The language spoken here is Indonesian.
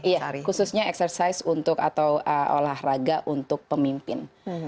iya khususnya exercise untuk atau olahraga untuk pemimpin